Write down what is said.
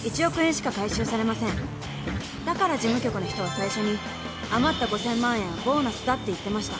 だから事務局の人は最初に余った５，０００万円はボーナスだって言ってました。